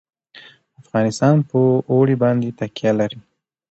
افغانستان په اوړي باندې تکیه لري.